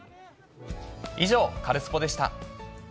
以上、カルスポっ！でした。